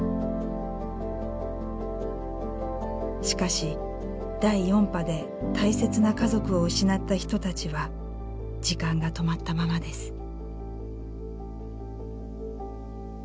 しかし第４波で大切な家族を失った人たちは時間が止まったままです。